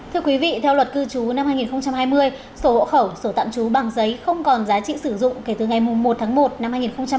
thưa quý vị theo luật cư trú năm hai nghìn hai mươi sổ hộ khẩu sổ tạm trú bằng giấy không còn giá trị sử dụng kể từ ngày một tháng một năm hai nghìn hai mươi